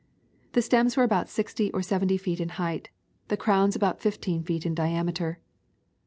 The stems were about sixty or seventy feet in height, the crowns about fifteen feet in diameter.